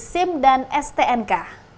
sim dan stnk